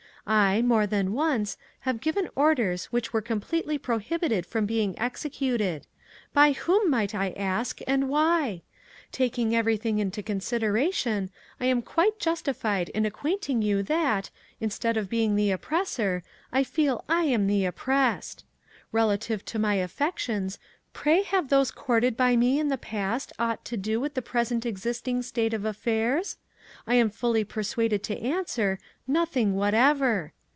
I, more than once, have given orders which were completely prohibited from being executed. By whom, might I ask, and why? Taking everything into consideration, I am quite justified in acquainting you that, instead of being the oppressor, I feel I am the oppressed. "Relative to my affections, pray have those courted by me in the past aught to do with the present existing state of affairs? I am fully persuaded to answer, 'Nothing whatever.'